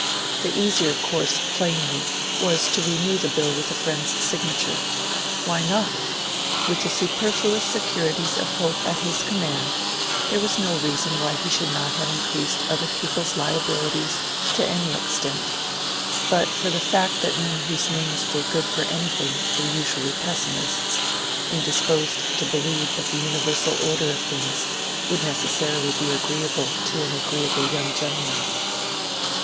The easier course plainly, was to renew the bill with a friend's signature. Why not? With the superfluous securities of hope at his command, there was no reason why he should not have increased other people's liabilities to any extent, but for the fact that men whose names were good for anything were usually pessimists, indisposed to believe that the universal order of things would necessarily be agreeable to an agreeable young gentleman.